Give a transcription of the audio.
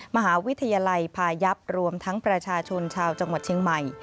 มหาวิทยาลัยพายับรวมทั้งประชาชนชาวจังหวัดเชียงใหม่